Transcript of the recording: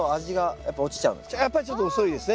やっぱりちょっと遅いですね